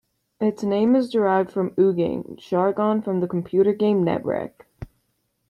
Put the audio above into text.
Its name is derived from "ogging", jargon from the computer game "Netrek".